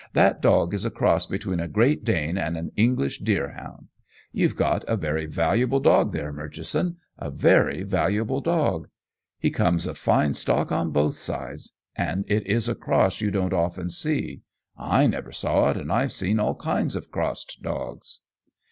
"That dog is a cross between a Great Dane and an English Deerhound. You've got a very valuable dog there, Murchison, a very valuable dog. He comes of fine stock on both sides, and it is a cross you don't often see. I never saw it, and I've seen all kinds of crossed dogs."